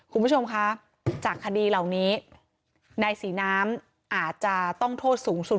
คุณผู้ชมคะจากคดีเหล่านี้นายศรีน้ำอาจจะต้องโทษสูงสุด